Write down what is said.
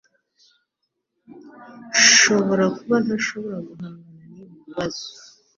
Nshobora kuba ntashobora guhangana nibi bibazo